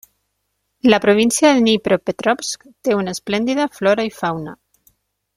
La província de Dnipropetrovsk té una esplèndida flora i fauna.